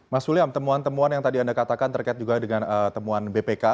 mas william temuan temuan yang tadi anda katakan terkait juga dengan temuan bpk